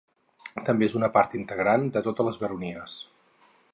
També és una part integrant de totes les baronies.